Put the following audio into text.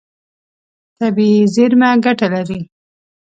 طبیعي زیرمه ګټه لري.